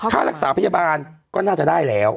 ค่ารักษาพยาบาลก็น่าจะได้แล้ว